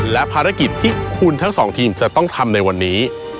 และภารกิจที่คุณทั้งสองทีมจะต้องทำในวันนี้